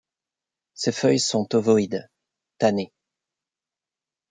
Ces feuilles sont ovoïdes, tannées.